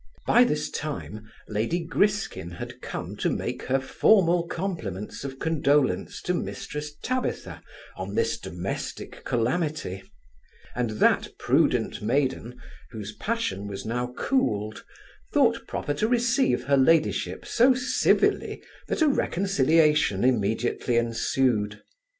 By this time, lady Griskin had come to make her formal compliments of condolance to Mrs Tabitha, on this domestic calamity; and that prudent maiden, whose passion was now cooled, thought proper to receive her ladyship so civilly, that a reconciliation immediately ensued.